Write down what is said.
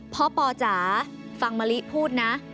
ปอจ๋าฟังมะลิพูดนะ